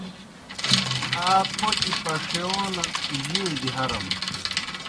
آ پوْچہ پݜِیون جیئے دیْ ہرَم؟